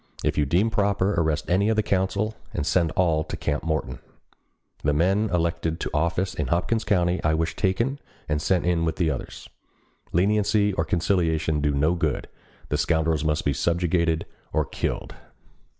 If you deem proper arrest any of the council, and send all to Camp Morton. The men elected to office in Hopkins County I wish taken and sent in with others. Leniency and conciliation do no good. The scoundrels must be subjugated or killed."